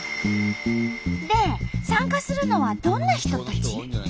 で参加するのはどんな人たち？